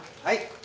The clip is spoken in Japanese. はい。